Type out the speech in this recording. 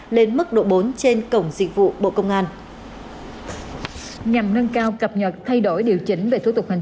lên mức độ bốn trên cổng dịch vụ bộ công an nhằm nâng cao cập nhật thay đổi điều chỉnh về thủ tục hành